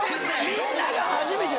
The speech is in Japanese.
みんな初めて。